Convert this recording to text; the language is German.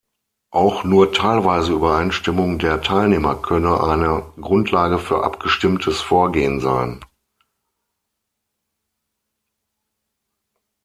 Auch nur teilweise Übereinstimmung der Teilnehmer könne eine Grundlage für abgestimmtes Vorgehen sein.